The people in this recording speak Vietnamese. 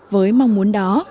với mong muốn đó